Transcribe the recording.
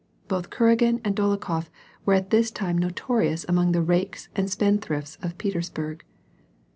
Both Kuragin and Dolokhof were at this time notorious among the rakes and spendthrifts of Petersburg.